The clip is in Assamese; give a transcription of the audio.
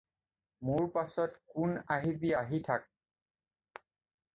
মোৰ পাছত কোন আহিবি আহি থাক।